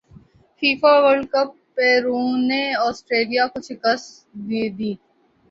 FIFA world cup Peru نے Australia کو شکست دیدی